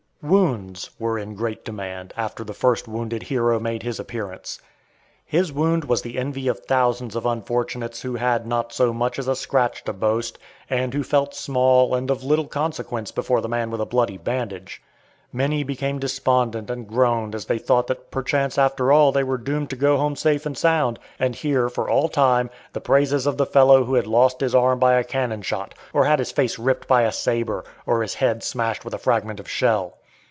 Wounds were in great demand after the first wounded hero made his appearance. His wound was the envy of thousands of unfortunates who had not so much as a scratch to boast, and who felt "small" and of little consequence before the man with a bloody bandage. Many became despondent and groaned as they thought that perchance after all they were doomed to go home safe and sound, and hear, for all time, the praises of the fellow who had lost his arm by a cannon shot, or had his face ripped by a sabre, or his head smashed with a fragment of shell.